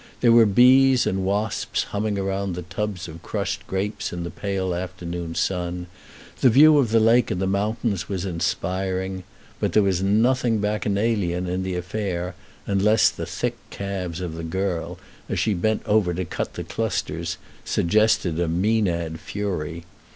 There were bees and wasps humming around the tubs of crushed grapes in the pale afternoon sun; the view of the lake and the mountains was inspiring; but there was nothing bacchanalian in the affair, unless the thick calves of the girl, as she bent over to cut the clusters, suggested a Mænad fury.